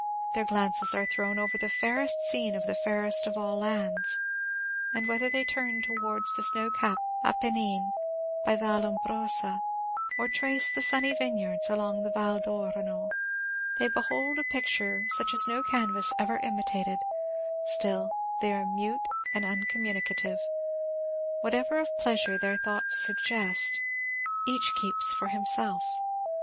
Their glances are thrown over the fairest scene of the fairest of all lands; and whether they turn towards the snow capt Apennines, by Vall'ombrosa, or trace the sunny vineyards along the Val' d' Arno, they behold a picture such as no canvas ever imitated; still, they are mute and uncommunicative. Whatever of pleasure their thoughts suggest, each keeps for himself.